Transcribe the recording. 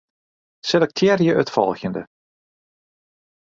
Selektearje it folgjende.